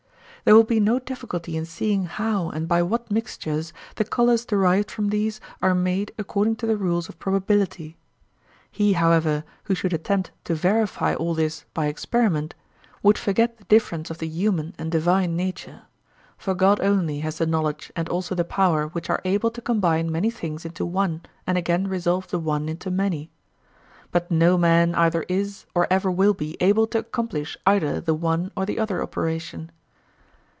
There will be no difficulty in seeing how and by what mixtures the colours derived from these are made according to the rules of probability. He, however, who should attempt to verify all this by experiment, would forget the difference of the human and divine nature. For God only has the knowledge and also the power which are able to combine many things into one and again resolve the one into many. But no man either is or ever will be able to accomplish either the one or the other operation.